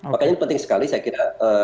makanya penting sekali saya kira